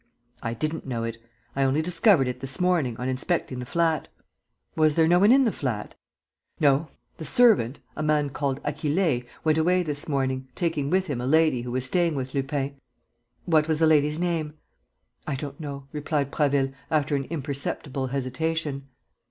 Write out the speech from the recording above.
"I didn't know it. I only discovered it this morning, on inspecting the flat." "Was there no one in the flat?" "No. The servant, a man called Achille, went away this morning, taking with him a lady who was staying with Lupin." "What was the lady's name?" "I don't know," replied Prasville, after an imperceptible hesitation.